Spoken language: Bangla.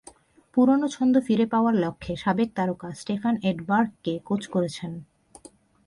পুরোনো ছন্দ ফিরে পাওয়ার লক্ষ্যে সাবেক তারকা স্টেফান এডবার্গকে কোচ করেছেন।